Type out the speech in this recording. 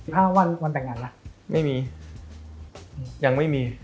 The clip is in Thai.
ห้าวันวันแต่งงานล่ะไม่มียังไม่มี